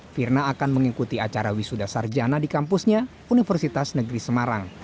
firna akan mengikuti acara wisuda sarjana di kampusnya universitas negeri semarang